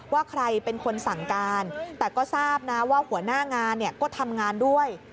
ว่าใครเป็นคนสั่งการแต่ก็ทราบนะว่าหัวหน้างานก็ทำงานด้วย